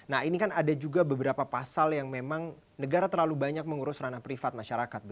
nah ini kan ada juga beberapa pasal yang memang negara terlalu banyak mengurus ranah privat masyarakat